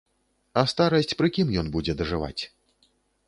А старасць пры кім ён будзе дажываць?